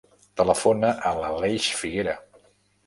Telefona a l'Aleix Figuera.